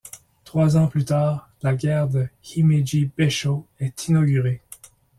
Trois ans plus tard, la gare de Himeji-Bessho est inaugurée.